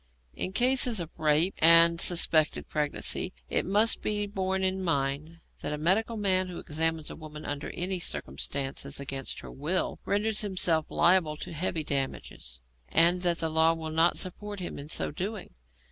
In cases of rape and suspected pregnancy, it must be borne in mind that a medical man who examines a woman under any circumstances against her will renders himself liable to heavy damages, and that the law will not support him in so doing.